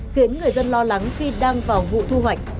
khiến người dân lo lắng khi đang vào vụ thu hoạch